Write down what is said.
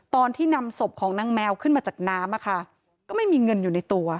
ตอนที่นำศพของนางแมวขึ้นมาจากน้ำก็ไม่มีเงินอยู่ในตัว